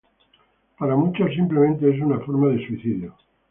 Para muchos, simplemente es una forma de suicidio.